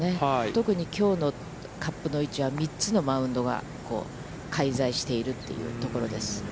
特にきょうのカップの位置は、３つのマウンドが介在しているというところです。